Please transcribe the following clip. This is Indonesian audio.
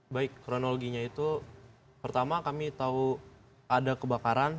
baik kronologinya itu pertama kami tahu ada kebakaran